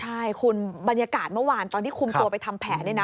ใช่คุณบรรยากาศเมื่อวานตอนที่คุมตัวไปทำแผนเนี่ยนะ